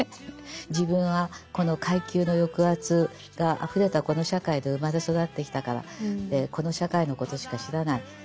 自分はこの階級の抑圧があふれたこの社会で生まれ育ってきたからこの社会のことしか知らない。